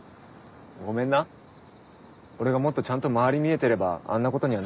ごめんな俺がもっとちゃんと周り見えてればあんなことには。